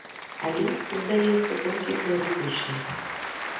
Але, здаецца, толькі тэарэтычна.